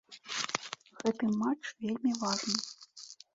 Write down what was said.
Гэты матч вельмі важны.